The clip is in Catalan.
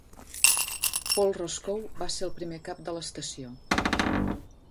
Paul Roscoe va ser el primer cap de l'estació.